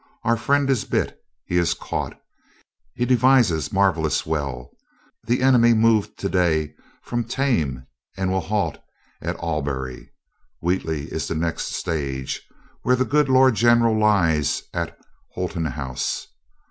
Our friend is bit. He is caught. He devises marvelous well. The enemy moved to day from Thame and will halt at Albury. Wheatley is the next stage, where the good lord general lies at Holton House.